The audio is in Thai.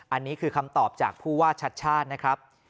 อันนี้คือคำตอบจากผู้ว่าชัดชาตินะครับ